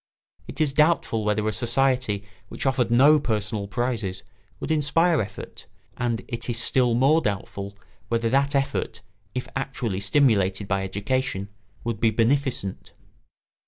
It is doubtful whether a society which offered no personal prizes would inspire effort; and it is still more doubtful whether that effort, if actually stimulated by education, would be beneficent.